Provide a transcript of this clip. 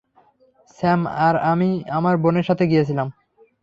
Sam আর আমি আমার বোনের সাথে গিয়েছিলাম।